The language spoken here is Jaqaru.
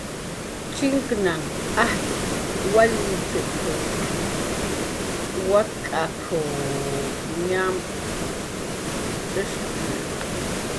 "Chinknhan ajtz' wallmichp"" kup wak'k""ap"" ñamk""cx'ishkna"